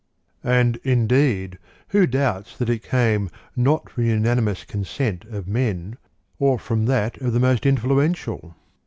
6. And, indeed, who doubts that it came not from the unanimous consent of men, or from that of the most influential